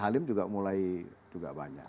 halim juga mulai juga banyak